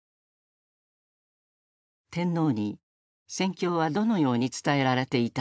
天皇に戦況はどのように伝えられていたのか。